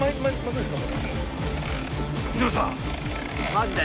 マジで？